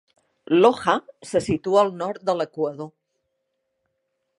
Loja se situa al nord de l'Equador.